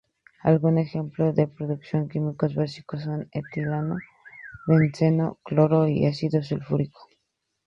Algunos ejemplos de productos químicos básicos son: etileno, benceno, cloro y ácido sulfúrico.